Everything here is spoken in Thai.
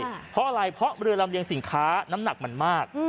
เพราะอะไรเพราะเรือลำเลียงสินค้าน้ำหนักมันมาก